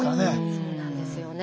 そうなんですよね。